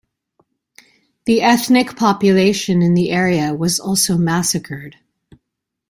The ethnic population in the area was also massacred.